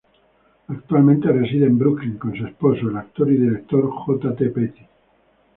Actualmente reside en Brooklyn con su esposo, el actor y director J. T. Petty.